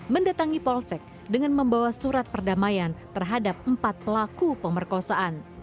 mendatangi polsek dengan membawa surat perdamaian terhadap empat pelaku pemerkosaan